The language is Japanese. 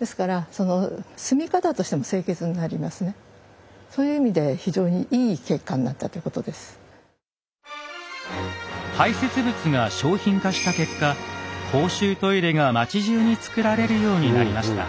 ですから排せつ物が商品化した結果公衆トイレが町じゅうにつくられるようになりました。